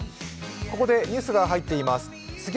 ここでニュースが入っています。